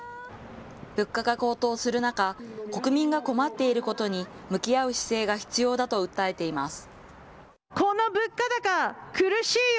物価が高騰する中、国民が困っていることに向き合う姿勢が必要だと訴えています。